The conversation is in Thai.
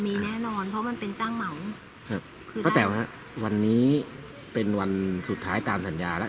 มีแน่นอนเพราะมันเป็นจ้างเหมาครับป้าแต๋วฮะวันนี้เป็นวันสุดท้ายตามสัญญาแล้ว